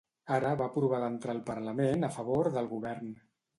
Ara va provar d'entrar al Parlament a favor del Govern.